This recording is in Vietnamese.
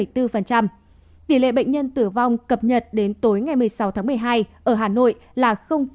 tỷ lệ bệnh nhân tử vong cập nhật đến tối ngày một mươi sáu tháng một mươi hai ở hà nội là một